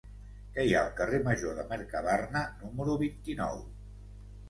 Què hi ha al carrer Major de Mercabarna número vint-i-nou?